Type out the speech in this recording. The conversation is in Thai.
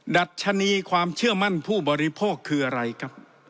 ดัชนีความเชื่อมั่นผู้บริโภคคืออะไรครับ